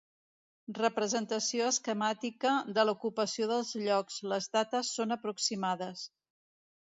Representació esquemàtica de l'ocupació dels llocs, les dates són aproximades.